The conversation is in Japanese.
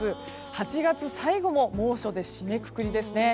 ８月最後も猛暑で締めくくりですね。